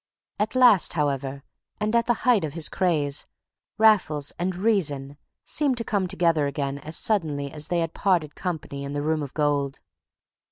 At last, however, and at the height of his craze, Raffles and reason seemed to come together again as suddenly as they had parted company in the Room of Gold.